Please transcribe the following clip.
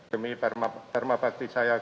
demi binata aarabik dan bangsa kecemasa dan negara